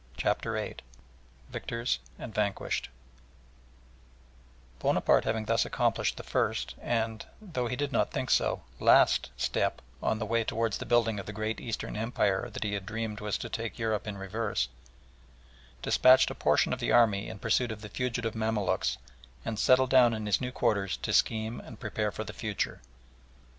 CHAPTER VIII VICTORS AND VANQUISHED Bonaparte having thus accomplished the first and, though he did not think so, last step on the way towards the building of the great Eastern Empire that he had dreamed was to "take Europe in reverse," despatched a portion of the army in pursuit of the fugitive Mamaluks, and settled down in his new quarters to scheme and prepare for the future.